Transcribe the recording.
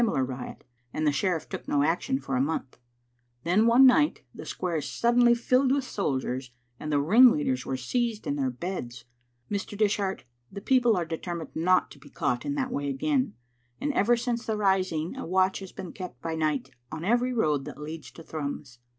lar riot, and the sheriff took no action for montha Then one night the square suddenly filled with soldiers, and the ringleaders were seized in their beds. Mr. Dish art, the people are determined not to be caught in that way again, and ever since the rising a watch has been kept by night on every road that leads to Thrums.